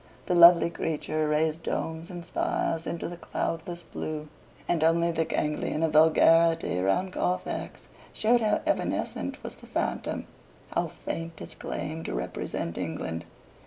The lovely creature raised domes and spires into the cloudless blue, and only the ganglion of vulgarity round Carfax showed how evanescent was the phantom, how faint its claim to represent England.